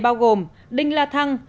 bao gồm đinh la thăng